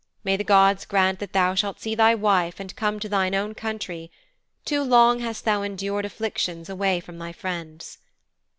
May the gods grant that thou shalt see thy wife and come to thine own country. Too long hast thou endured afflictions away from thy friends.'